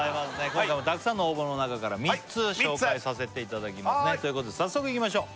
今回もたくさんの応募の中から３つ紹介させていただきますねということで早速いきましょう